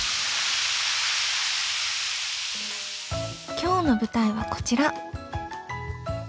今日の舞台はこちら。